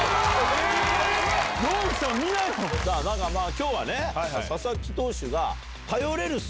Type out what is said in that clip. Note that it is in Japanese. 今日はね佐々木投手が。